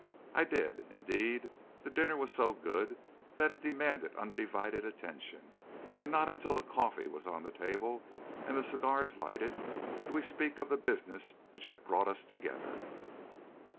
I did. Indeed, the dinner was so good that it demanded undivided attention, and not until the coffee was on the table and the cigars lighted did we speak of the business which had brought us together.